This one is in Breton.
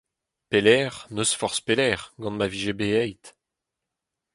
Pelec’h, n’eus forzh pelec’h, gant ma vije bet aet.